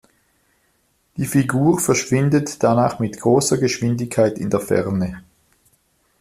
Die Figur verschwindet danach mit großer Geschwindigkeit in der Ferne.